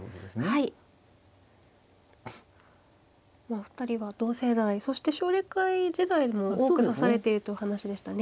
お二人は同世代そして奨励会時代も多く指されているというお話でしたね。